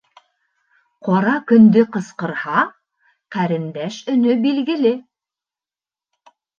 Ҡара көндө ҡысҡырһа, ҡәрендәш өнө билгеле.